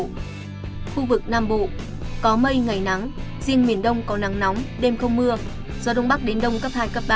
khu vực nam bộ có mây ngày nắng riêng miền đông có nắng nóng đêm không mưa gió đông bắc đến đông cấp hai cấp ba